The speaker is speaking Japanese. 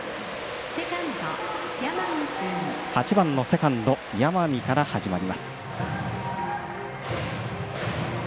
８番のセカンド、山見から始まります。